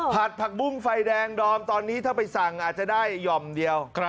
ผักบุ้งไฟแดงดอมตอนนี้ถ้าไปสั่งอาจจะได้หย่อมเดียว